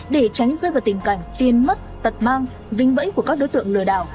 để tránh rơi vào tình cảnh tiên mất tật mang rinh vẫy của các đối tượng lừa đảo